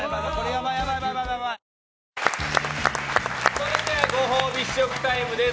それではご褒美飯、試食タイムです。